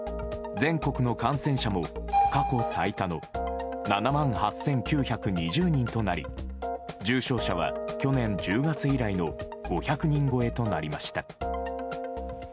全国の感染者も過去最多の７万８９２０人となり重症者は去年１０月以来の５００人超えとなりました。